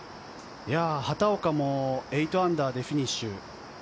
畑岡も８アンダーでフィニッシュ。